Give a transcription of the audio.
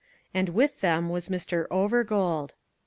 And with them was Mr. Overgold.